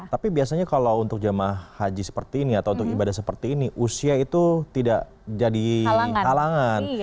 tapi biasanya kalau untuk jamaah haji seperti ini atau untuk ibadah seperti ini usia itu tidak jadi halangan